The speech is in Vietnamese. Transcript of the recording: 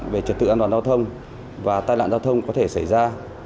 về trật tự an toàn giao thông và tai nạn giao thông có thể xảy ra